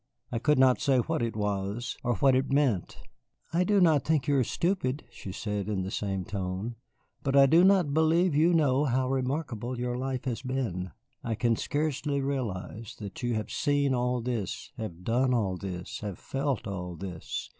I could not say what it was, or what it meant. "I do not think you are stupid," she said, in the same tone, "but I do not believe you know how remarkable your life has been. I can scarcely realize that you have seen all this, have done all this, have felt all this.